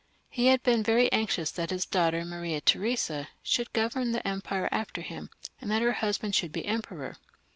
He had been very anxious that his daughter Maria Theresa should govern the empire after him, and that her husband should be Emperor.